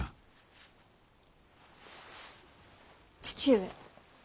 父上。